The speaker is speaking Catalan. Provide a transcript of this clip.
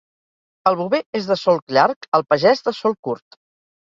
El bover és de solc llarg, el pagès, de solc curt.